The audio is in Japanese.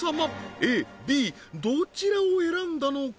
ＡＢどちらを選んだのか？